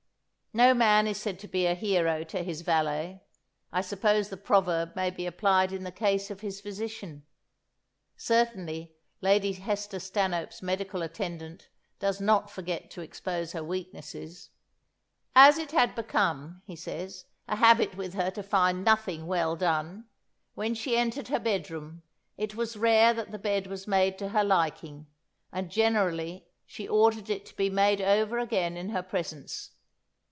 No man is said to be a hero to his valet; I suppose the proverb may be applied in the case of his physician. Certainly, Lady Hester Stanhope's medical attendant does not forget to expose her weaknesses. "As it had become," he says, "a habit with her to find nothing well done, when she entered her bedroom, it was rare that the bed was made to her liking; and, generally, she ordered it to be made over again in her presence.